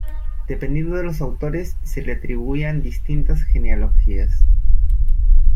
Dependiendo de los autores se le atribuían distintas genealogías.